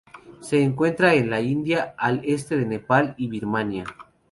Se encuentra en la India, al este del Nepal y Birmania.